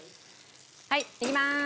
はいいきまーす。